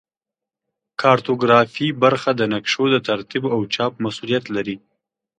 کارتوګرافي برخه د نقشو د ترتیب او چاپ مسوولیت لري